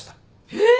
えっ！？